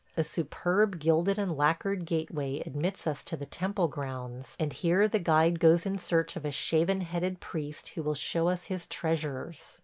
A superb gilded and lacquered gateway admits us to the temple grounds, and here the guide goes in search of a shaven headed priest who will show us his treasures.